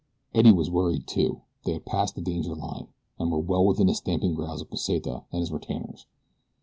Eddie was worried, too. They had passed the danger line, and were well within the stamping ground of Pesita and his retainers.